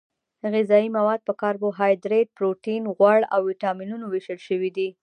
غذايي مواد په کاربوهایدریت پروټین غوړ او ویټامینونو ویشل شوي دي